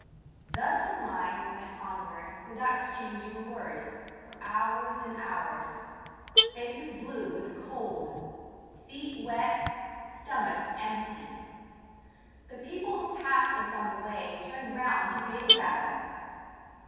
Thus in line we went onward without exchanging a word, for hours and hours, faces blue with cold, feet wet, stomachs empty. The people who passed us on the way turned round to gaze at us.